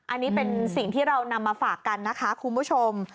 อันนี้เป็นสิ่งที่เรานำมาฝากกันนะคะคุณผู้ชม